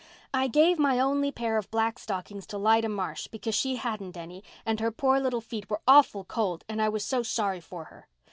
I gave my only pair of black stockings to Lida Marsh, because she hadn't any and her poor little feet were awful cold and I was so sorry for her.